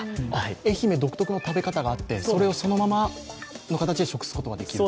愛媛独特の食べ方があってそれをそのままの形で食すことができると？